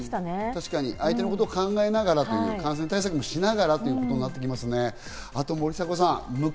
確かに相手のことを考えながら、感染対策もしながらとなってきますね。